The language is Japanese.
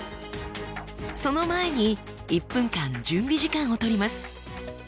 その前に１分間準備時間を取ります。